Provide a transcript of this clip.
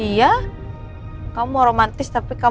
ya iya deh suamiku yang romantis tapi gengsian